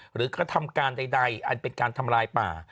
กระทำการใดอันเป็นการทำลายป่า